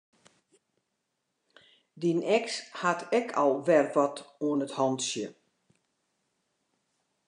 Dyn eks hat ek al wer wat oan 't hantsje.